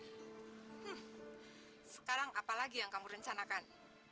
hmm sekarang apa lagi yang kamu rencanakan